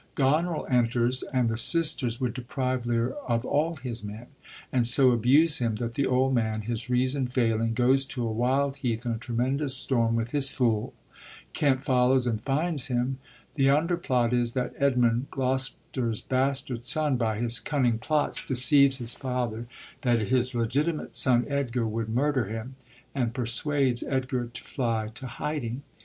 Goneril enters, and the sisters would deprive Lear of all his men, and so abuse him that the old man, his reason failing, goes to a wild heath in a tremendous storm, with his fool. Kent follows and finds him. The underplot is, that Edmund, Gloster's bastard son, by his cunning plots deceives his father that his legitimate son, Edgar, would murder him, and persuades Edgar to fly to hiding.